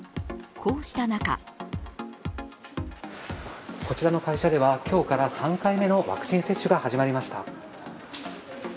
こうした中こちらの会社では今日から３回目のワクチン接種が始まりました。